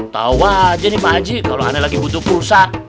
tau aja nih pak haji kalo aneh lagi butuh pulsa